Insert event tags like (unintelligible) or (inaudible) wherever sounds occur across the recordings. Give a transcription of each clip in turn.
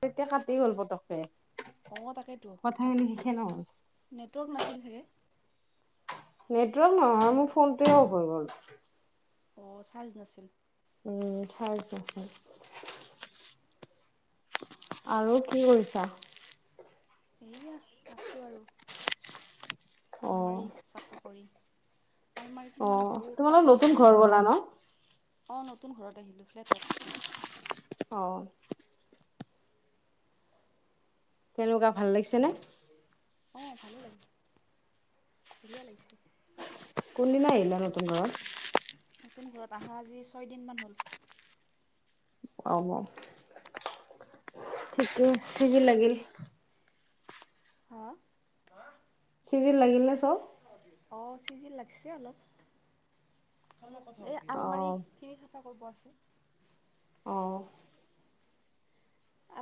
তেতিয়া কাটি গ'ল পটককে। অ' তাকেইতো নহ'ল নেটৱৰ্ক নাছিল চাগে? নেটৱৰ্ক নহয় মোৰ ফোনটোৱেই অফ হৈ গ'ল। অ চাৰ্জ নাছিল। উম চাৰ্জ আছে। আৰু কি কৰিছা? এইয়া আছোঁ আৰু অ', আলমাৰি চাফা কৰি। আলমাৰিটোত মানে অ'। বহুত তোমালোক কাপোৰ নতুন জমা ঘৰ হৈ গ'লা আছিল, ন? অ' নতুন ঘৰত আহিলোঁ ফ্লেটত। অ'। কেনেকুৱা ভাল লাগিছেনে? অ' ভালে লাগে, বঢ়িয়া লাগিছে। কোন দিনা আহিলা নতুন ঘৰত? নতুন ঘৰত আহা আজি ছয়দিনমান হ'ল। অ'অ' সেইবোৰ চিজিল লাগিল। হা। চিজিল লাগিল নে চব? অ' চিজিল লাগিছে অলপ। এই অ'। আলমাৰিখিনি চাফা কৰিব আছে। অ'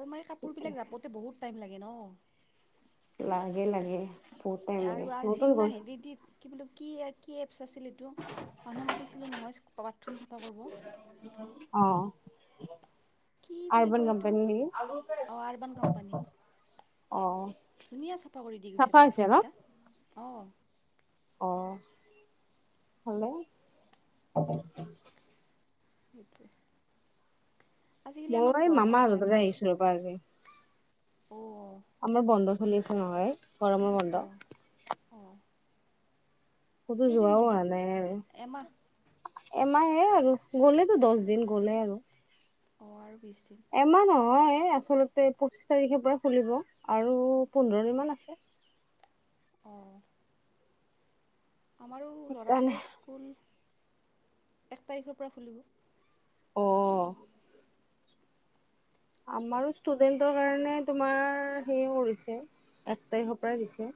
আলমাৰী ঠিকে কাপোৰবিলাক জাপতে বহুত টাইম লাগে ন? লাগে-লাগে। আৰু আহ সেইদিনা হেদি দি। কি বোলো কি এ কি এ এপছ আছিল এইটো মানুহ মাতিছিলোঁ নহয় বাথৰুম চাফা কৰিব। অ ' কি বুলি কয় এইটো অ' আৰ্বান কোম্পানী। অ'। ধুনীয়া চাফা কৰি দি গৈছে চাফা হৈছে ন? বাথৰুমকেইটা, অ' অ' হ'লেও। (inaudible) সেইটোৱে। (unintelligible) আজি কালি আমাৰ মই গুৱ মামাহঁতৰ পৰা আহিছো ৰ'বা আজি। গুৱাহাটীত অ, আমাৰ বন্ধ চলি আছে নহয়, এই গৰমৰ বন্ধ। অঁ অঁ কতো কেইদিন যোৱাও বন্ধ হয় নাই। এমাহ এমাহে আৰু গ'লেতো দচ দিন গ'লে আৰু। অঁ, আৰু বিছদিন। এমাহ নহয় আচলতে পঁচিছ তাৰিখৰ পৰা খুলিব আৰু পোন্ধৰ দিনমান আছে। অ', আমাৰো সেইকাৰণে ল'ৰাটোৰ স্কুল, এক তাৰিখৰ পৰা খুলিব। অ', আমাৰো ষ্টুডেন্টৰ কাৰণে তোমাৰ হেৰি কৰিছে। এক তাৰিখৰ পৰা দিছে।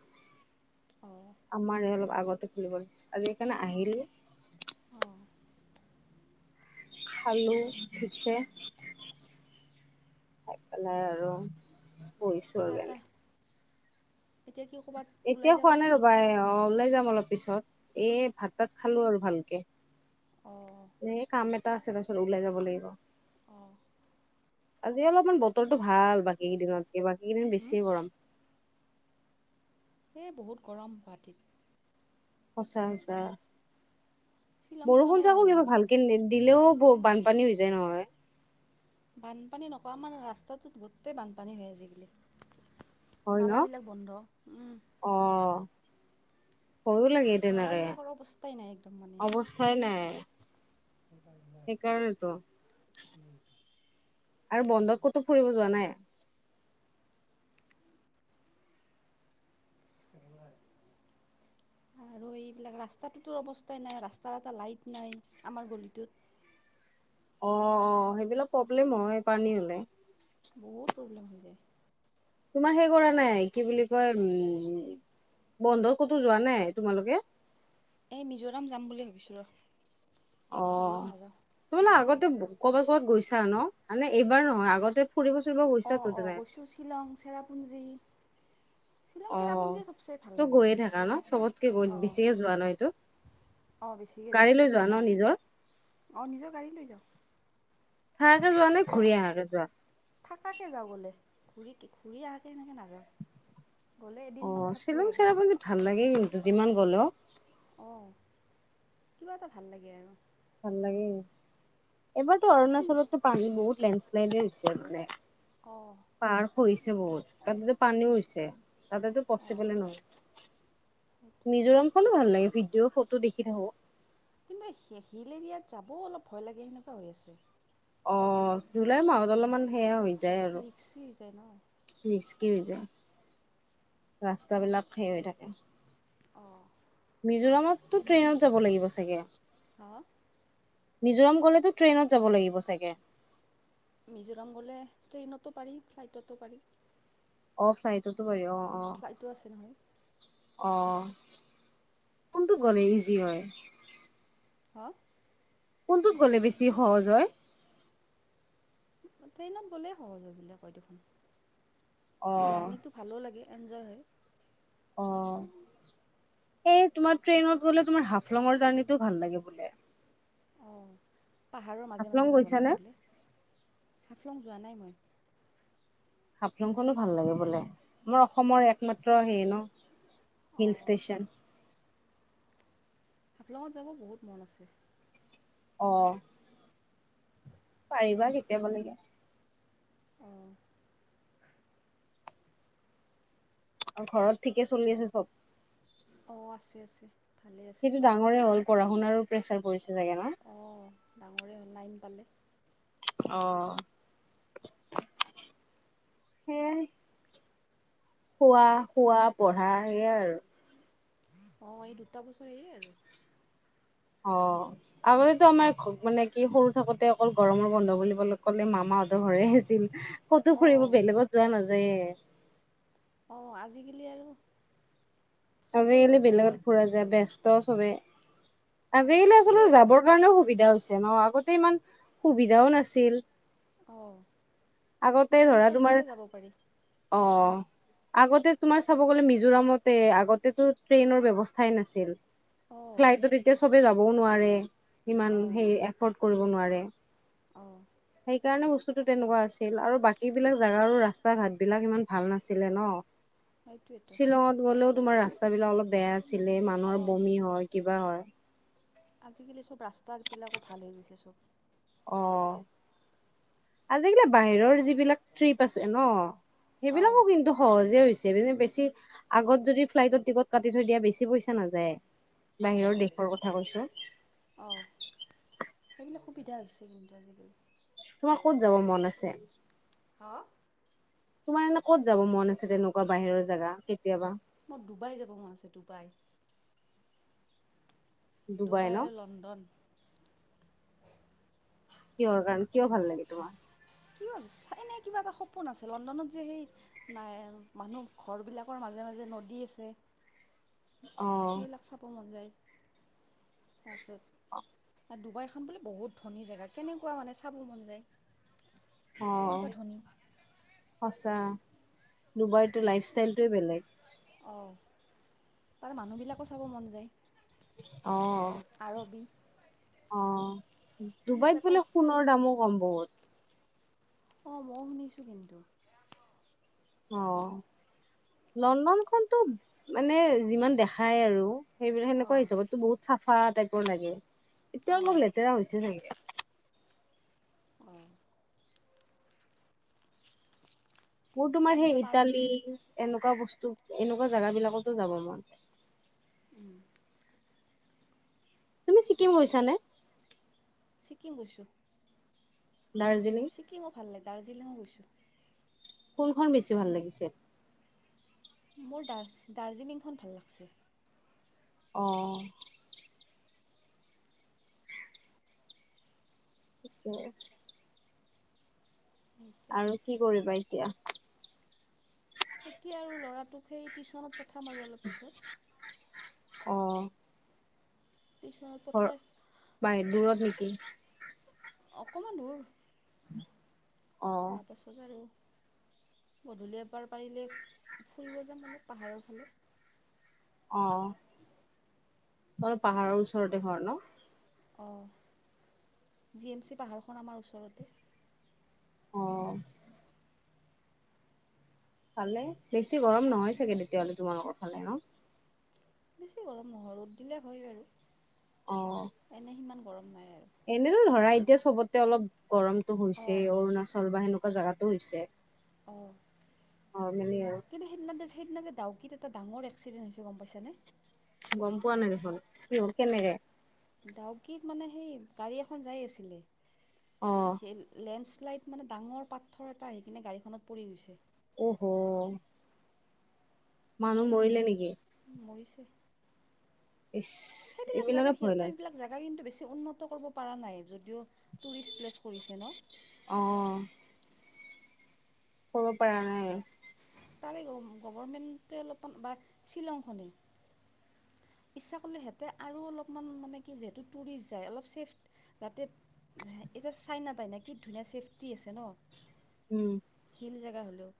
অ', আমাৰ অলপ আগতে খুলিব দিছিল আৰু সেইকাৰণে আহিল। অ। খালোঁ ঠোছে। খাই পেলাই আৰু বহিছোঁ চাহ তাহ এনে এতিয়া কি ক'ৰবাত ওলাই এতিয়া যাবা খোৱা নাই নেকি ৰবা অ ওলাই যাম অলপ পিছত, এই ভাত তাত খালো আৰু ভালকে। অ। এ কাম এটা আছে তাৰপিছত ওলাই যাব লাগিব। অ। আজি অলপমান বতৰটো ভাল বাকী ঠিকে আছে কেইদিনতকে বাকী কেইদিন হুম বেছিয়ে গৰম। এ বহুত গৰম গুৱাহাটীত। সঁচা সচা শ্বিলং তিলঙে বৰষুণ যাব যাকো মন কিবা গৈছে ভালকে নি দিলেও বান- পানী হৈ যায় নহয়। বানপানী নকয় আমাৰ ৰাস্তাটোত গোটেই বানপানী হয় আজিকালি। হয় ন নালা বিলাক বন্ধ, উম। অ ভয়ো লাগে তেনেকে নালাবিলাকৰ অৱস্থাই নাই একদম মানে। অৱস্থাই নাই সেইকাৰ সেইকাৰণেতো নাই। উহ। আৰু বন্ধত ক'তো ফুৰিব যোৱা নাই? কেৰেলাই আৰু এইবিলাক ৰাস্তাটোতো অৱস্থাই নাই ৰাস্তাৰ এটা লাইট নাই আমাৰ গলিটোত। অ, অ সেইবিলাক প্ৰব্লেম হয় পানী হলে। বহুত প্ৰব্লেম হৈ যায়। তোমাৰ সেই কৰা নাই কি বুলি কয় উম বন্ধত ক'তো যোৱা নাই তোমালোকে? এই মিজোৰাম যাম বুলি ভাবিছোঁ ৰ। অ, দূৰত নাযাওঁ তোমালে আগতে কৰ'বাত ক'বাত গৈছা ন মানে এইবাৰ নহয় আগতে ফুৰিব চুৰিব গু- অ অ গৈছো শ্বিলং, চেৰাপুঞ্জী। শ্বিলং, অ চেৰাপুঞ্জীয়ে চবচে ভাল তো লাগে গৈয়ে আৰু, থাকা ন চবতকে গৈ অ। বেছিকে যোৱা ন এইটো অ বেছিকে গাড়ী যাওঁ লৈ যোৱা ন শ্বিলং, নিজৰ অ নিজৰ গাড়ী লৈ যাওঁ। থাকাকে যোৱা নে ঘূৰি আহাকে যোৱা? থাকাকে যাওঁ গ'লে ঘূৰি কে ঘূৰি আহাকে সেনেকে নাযাওঁ। গ'লে এদিন মান অ, শ্বিলং চেৰাপুঞ্জী ভাল লাগে কিন্তু যিমান গ'ল। অ, কিবা এটা ভাল লাগে আৰু। ভাল লাগে এইবাৰতো অৰুণাচলতো পানী বহুত লেণ্ডছলাইড হৈছে মানে। অ। পাৰ্ক হৈছে বহুত তাতেতো পানীও হৈছে তাতেটো অঁ পচিবলে নহয়। সেইটোৱেতো মিজোৰাম ফালো ভাল লাগে ভিডিঅ' ফটো দেখি থাকো। কিন্তু হিল এৰিয়াত যাবও অলপ ভয় লাগে সেনেকুৱা হৈ আছে। অ জুলাইৰ মাহত অলপমান সেয়া হৈ যায় আৰু ৰিক্সি হৈ যায় ন। ৰিস্কি হৈ যায়, ৰাস্তাবিলাক সে হৈ থাকে। অ। মিজোৰামতটো ট্ৰেইনত যাব লাগিব চাগে? হা মিজোৰাম গ'লেতো ট্ৰেইনত যাব লাগিব চাগে? মিজোৰাম গ'লে ট্ৰেইনতো পাৰি, ফ্লাইটতটো পাৰি। অ ফ্লাইটতটো পাৰি অ। অ ফ্লাইটো আছে নহয়। অ, কোনটো গলে ইজি হয়? হ কোনটোত গ'লে বেছি সহজ হয়? ট্ৰেইনত গ'লেই সহজ হয় বুলি কয় দেখোন। অ জাৰ্নিটো ভালো লাগে এঞ্জয় হয়। অ, এই তোমাৰ ট্ৰেইনত গলে তোমাৰ হাফলঙৰ জাৰ্ণিটো ভাল লাগে বোলে। অ, পাহাৰৰ মাজে - হাফলং মাজে যাব লাগে গৈছানে বোলে, হাফলং যোৱা নাই মই? হাফলংখনো ভাল লাগে বোলে, আমাৰ অসমৰ একমাত্ৰ সেই ন? শিল অঁ ষ্টেচন। হাফলঙত যাব বহুত মন আছে। অ। (inaudible) পাৰিবা কেতিয়াব লৈকে। অঁ আৰু ঘৰত ঠিকে চলি আছে চব? অ আছে আছে। ভালেই আছে সিটো চব ডাঙৰেই হ'ল পঢ়া - শুনাৰো প্ৰেচাৰ পৰিছে চাগে ন? অ ডাঙৰে হ'ল নাইন পালে। অহ সেয়াই। শুৱা খোৱা, পঢ়া সেয়াই আৰু। অ এই দুটা বছৰে এই আৰু। অ আগতেতো আমাৰ মানে কি সৰু থাকোতে অকল গৰমৰ বন্ধ বুলিবলে ক'লে মামাহঁতৰ ঘৰে আছিল। কতো অঁ ফুৰিব বেলেগত যোৱা নাযায়। অ আজিকালি আৰু চবৰে আজিকালি ব্যস্ত বেলেগত ফুৰা যায় ব্যস্ত চবে, আৰু আজিকালি আচলতে চবেই যাবৰ কাৰণেও সুবিধা হৈছে ন, আগতে ইমান সুবিধাও নাছিল। অ আগতে এতিয়া মানে ধৰা তোমাৰ চবফালে যাব পাৰি। অ। আগতে তোমাৰ চাব গ'লে মিজোৰামতে আগতেতো ট্ৰেইনৰ ব্যৱস্থাই নাছিল। অঁ ফ্লাইটত এতিয়া চবে যাবও নোৱাৰে। ইমান হেই এফৰ্ড কৰিব নোৱাৰে। অ সেইকাৰণে বস্তুতো টো তেনেকুৱা আছ আছিল আৰু বাকীবিলাক জাগা ৰাস্তা - ঘাটবিলাক ইমান ভাল নাছিলে ন? সেইটোৱেতো শ্বিলঙত গ'লেও তোমাৰ ৰাস্তাবিলাক অলপ বেয়া আছিলে মানুহৰ অঁ বমি হয়। কিবা হয়। আজিকালি চব ৰাস্তাবিলাকো ভাল হৈ গৈছে চব। অ, আজিকালি বাহিৰৰ যিবিলাক ট্ৰিপ আছে ন অঁ সেইবিলাকো কিন্তু সহজে হৈছ ছে (unintelligible) বে বেছি আগত যদি ফ্লাইটত টিকট কাটি থৈ দিয়া বেছি পইচা নাযায়। বাহিৰৰ দেশৰ কথা কৈছো। অ সেইবিলাক সুবিধা হৈছে কিন্তু আজিকালি। তোমাৰ ক'ত যাব মন আছে? হা? তোমাৰ এনে ক'ত যাব মন আছে তেনেকুৱা বাহিৰৰ জেগা কেতিয়াবা? মোৰ ডুবাই যাব মন আছে ডুবাই। ডুবাই আৰু লণ্ডন। কিহৰ কাৰণে কিয় ভাল লাগে তোমাৰ? কিয় ছাইনাই কিবা এটা সপোন আছে লণ্ডনত যে সেই, নাই মানুহ ঘৰবিলাকৰ মাজে মাজে নদী আছে। অ সেইবিলাক চাব মন যায় তাৰপিছত। অ আ ডুবাইখন বোলে বহুত ধনী জেগা কেনেকুৱা মানে চাব মন যায়। অ কেনেকুৱা ধনী? সঁচা ডুবাইতো লাইফষ্টাইলটোৱে বেলেগ। অ, তাৰ মানুহবিলাকো চাব মন যায়। অ' আৰবি অ' ডুবাইত বোলে ইচ্ছা আৰু সোণৰ দামো কম বহুত। অ' ময়ো শুনিছোঁ কিন্তু। অ' লণ্ডনখনতো মানে যিমান দেখাই আৰু সেইবিলাক সেনেকুৱা অঁ হিচাপতো বহুত চাফা টাইপৰ লাগে, এতিয়া অঁ অলপ লেতেৰা হৈছে চাগে। অ' মোৰ অঁ তোমাৰ সেই আমিও পাৰোঁ ইটালী, এনেকুৱা বস্তু এনেকুৱা জেগা বিলাকতো যাব মন। উম তুমি ভাল ছিকিম লাগিল। গৈছানে ছিকিম গৈছোঁ। দাৰ্জিলিং। ছিকিমো ভাল লাগে, দাৰ্জিলিঙো গৈছোঁ। কোনখন বেছি ভাল লাগিছে? মোৰ দাৰ্জি দাৰ্জিলিংখন ভাল লাগিছে। অ' ঠিকে আছে। সেইটোৱে আৰু কি কৰিবা এতিয়া? এতিয়া আৰু ল'ৰাটোক সেই টিউচনত পঠাম আৰু অলপ পিছত। অ' টিছনত ঘৰ পঠাই, বাই দূৰত নেকি অকমান দূৰ। অ তাৰ পাছত আৰু গধূলি এবাৰ পাৰিলে ফুৰিব যাম অলপ পাহাৰৰ ফালে। অ' তোমাৰ পাহাৰৰ ওচৰতে ঘৰ ন'? অ' জি এম চি পাহাৰখন আমাৰ ওচৰতে। অ' ভালে বেছি গৰম নহয় চাগে তেতিয়া হ'লে তোমালোকৰ ফালে ন'? বেছি গৰম নহয় ৰ'দ দিলে হয় বাৰু। অ' এনে সিমান গৰম নাই আৰু। এনেতো ধৰা এতিয়া চবতে অলপ গৰমটো হৈছে, অঁ অৰুণাচল বা সেনেকুৱা জাগাতো হৈছে। অ' অ' মিলি অ' কিন্তু সেইদিনা যে সেইদিনা যে ডাউকিত এটা ডাঙৰ এক্সিডেণ্ট হৈছে গম পাইছানে? গম পোৱা নাই দেখোন, কিয় হ'ল কেনেকে? ডাউকীত মানে সেই গাড়ী এখন যাই আছিলে অ' সেই লেন্সলাইড মানে ডাঙৰ পাথৰ এটা আহি কিনে গাড়ীখনত পৰি গৈছে। অ' হ' মানুহবিলাক মৰিল, নেকি মৰিছে। ইচ সেইবিলাক এইবিলাকে জেগা ভয় সিহঁতে লাগে এইবিলাক জেগা কিন্তু বেছি উন্নত কৰিব পৰা নাই যদিও টুৰিষ্ট প্লেচ কৰিছে ন' অ' কৰিব পৰা নাই। তাৰে গভৰ্ণমেণ্টে অলপমান বা শ্বিলংখনে ইচ্ছা কৰিলে সিহঁতে আৰু অলপমান মানে কি যিহেতু টুৰিষ্ট যায় অলপ ছেফ যাতে এই যে চাইনা তাইনা কি ধুনীয়া চেফটি আছে ন'। উম হিল জেগা হ'লেও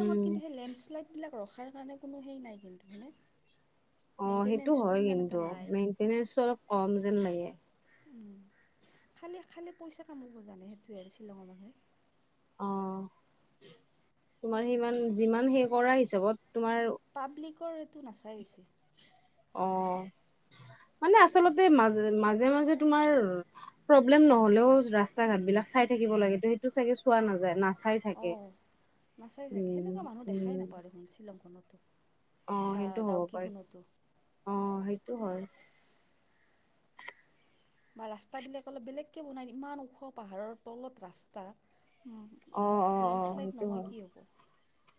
উম কিন্তু সেই লেন্সলাইডবিলাক ৰখাৰ কাৰণে কোনো সেই নাই কিন্তু হয়নে? অ' সেইটো মেইনটেনেঞ্চটো হয় সিমান এটা কিন্তু নাই মেইনটেনেন্স অলপ কম যেন লাগে। উম' খালী-খালী পইচা কমাব জানে, সেইটোৱে আৰু শ্বিলঙৰ মানুহে। অ, তোমাৰ সিমান যিমান সেই কৰা হিচাপত তোমাৰ পাব্লিকৰ এইটো নাচাই হৈছে। অ, মানে আচলতে মাজে, মাজে, মাজে তোমাৰ প্ৰব্লেম নহ'লেও ৰাস্তা, ঘাট বিলাক চাই থাকিব লাগে। ত সেইটো চাগে চোৱা নাযায় নাচাই। অ, চাগে। নাচাই চাগে, উম সেনেকুৱা মানুহ দেখাই উম। নাপাওঁ দেখোন শ্বিলংখনতো। অ, বা সেইটো হ'ব পাৰি। ডাউকীখনতো অ, সেইটো হয়। বা ৰাস্তাবিলাক অলপ বেলেগকে বনাই, ইমান ওখ পাহাৰৰ তলত ৰাস্তা। অ' উম' অ' লেণ্ডত অ' শ্লাইড সেইটো নহয় হয়। কি হ'ব?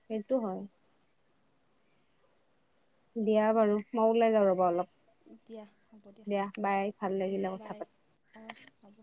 সেইটো হয়। দিয়া বাৰু, মই ওলাই যাওঁ ৰ'বা অলপ। দিয়া হ'ব দিয়া, বাই ভাল উম' লাগিলে কথা বাই পাতি। অ, হ'ব।